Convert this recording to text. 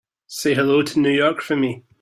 Say hello to New York for me.